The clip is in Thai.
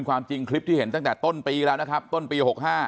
ความจริงคลิปที่เห็นตั้งแต่ต้นปีแล้วนะครับต้นปี๖๕